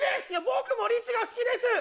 僕もリチが好きです！